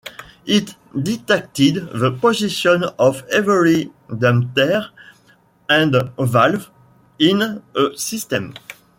It dictates the position of every damper and valve in a system.